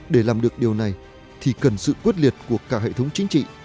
để làm được điều này thì cần sự quyết liệt của cả hệ thống chính trị